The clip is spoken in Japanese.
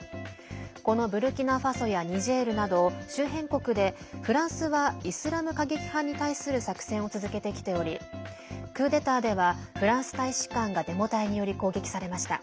このブルキナファソやニジェールなど周辺国でフランスはイスラム過激派に対する作戦を続けてきておりクーデターではフランス大使館がデモ隊により攻撃されました。